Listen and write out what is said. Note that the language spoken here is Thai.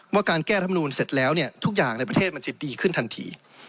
ว่าการแก้ธรรมนูลเสร็จแล้วเนี่ยทุกอย่างในประเทศมันจะดีขึ้นทันที